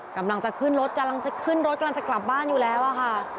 กำลังจะขึ้นรถกำลังจะขึ้นรถกำลังจะกลับบ้านอยู่แล้วอะค่ะ